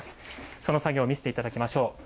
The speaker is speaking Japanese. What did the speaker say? その作業を見せていただきましょう。